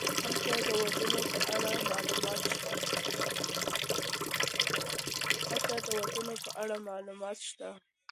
هلته د ودونو په اړه معلومات سته.